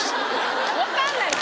分かんないです